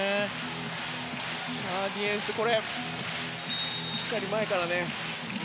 ディフェンス、これしっかり前からね。